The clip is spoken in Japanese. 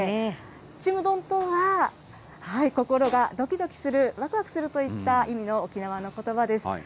ちむどんとは、心がどきどきする、わくわくするといった意味の沖縄のことばです。